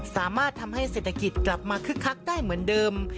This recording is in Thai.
สามารถทำให้เศรษฐกิจกลับมาคึกคักได้เหมือนเดิม